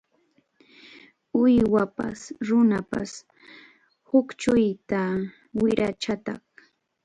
Uywapas runapas huchʼuytaq wirachataq.